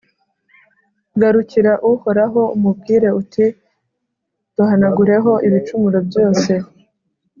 Garukira Uhoraho, umubwire uti«Duhanagureho ibicumuro byose